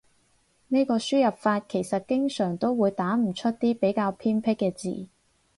呢個輸入法其實經常都會打唔出啲比較偏僻嘅字